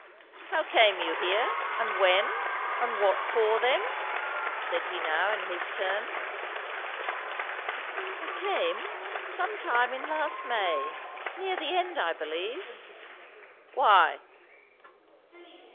"How came you here? and when? and what for, then?" said he now in his turn. "I came some time in last May; near the end, I believe." "Why?"